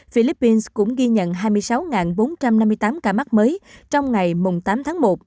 philippines cũng ghi nhận hai mươi sáu bốn trăm năm mươi tám ca mắc mới trong ngày tám tháng một